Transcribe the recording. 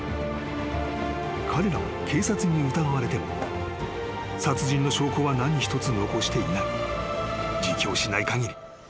［彼らは警察に疑われても殺人の証拠は何一つ残していない］